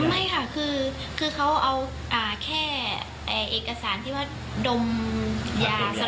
ไม่ค่ะคือเขาเอาแค่เอกสารที่ว่าดมยาสลบมาให้เซ็น